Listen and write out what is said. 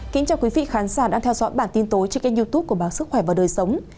kính chào quý vị khán giả đang theo dõi bản tin tối trên kênh youtube của báo sức khỏe và đời sống